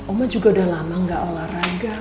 oma juga udah lama gak olahraga